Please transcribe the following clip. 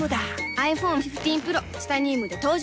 ｉＰｈｏｎｅ１５Ｐｒｏ チタニウムで登場